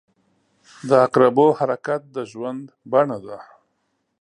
• د عقربو حرکت د ژوند بڼه ده.